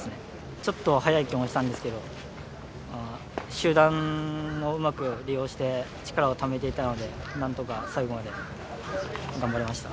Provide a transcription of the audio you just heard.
ちょっと早い気もしたんですけれど、集団をうまく利用して力をためていたので、何とか最後まで頑張れました。